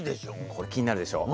これ気になるでしょう？